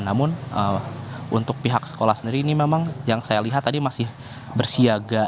namun untuk pihak sekolah sendiri ini memang yang saya lihat tadi masih bersiaga